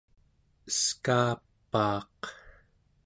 eskaapaaq